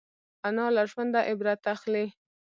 انا له ژونده عبرت اخلي